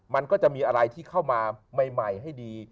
มันก็จะมีอะไรที่เข้ามาใหม่ให้ดี